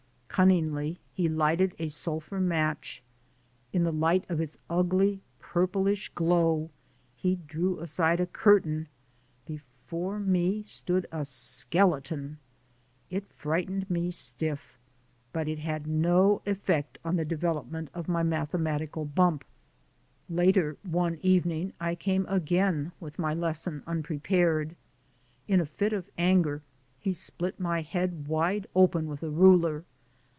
Cunningly, he lighted a sulphur match. In the light of its ugly, purplish glow, he drew aside a curtain ; before me stood a skeleton ! It frightened me stiff, but it had no effect on the de velopment of my mathematical bump. Later, one evening I came again with my lesson unprepared. In a fit of anger he split my head wide open with a ruler.